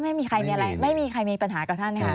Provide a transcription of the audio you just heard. ไม่มีใครมีอะไรไม่มีใครมีปัญหากับท่านค่ะ